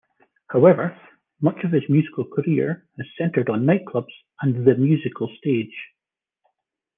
However, much of his musical career has centered on nightclubs and the musical stage.